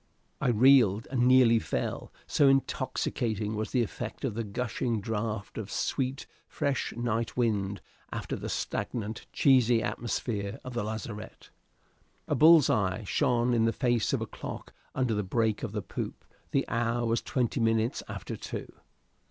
I reeled and nearly fell, so intoxicating was the effect of the gushing draught of sweet, fresh night wind after the stagnant, cheesy atmosphere of the lazarette. A bull's eye shone on the face of a clock under the break of the poop; the hour was twenty minutes after two.